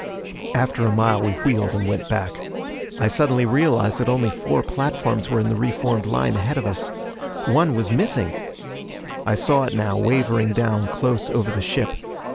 After a mile we wheeled and went back. I suddenly realized that only four platforms were in the re formed line ahead of us. One was missing! I saw it now, wavering down, close over the ship.